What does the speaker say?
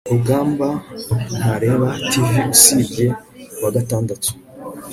rugamba ntareba tv usibye kuwagatandatu